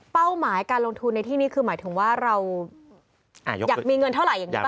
หมายการลงทุนในที่นี้คือหมายถึงว่าเราอยากมีเงินเท่าไหร่ยังไงบ้าง